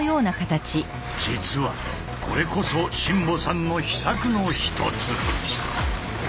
実はこれこそ新保さんの秘策の一つ。